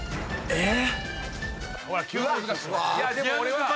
えっ？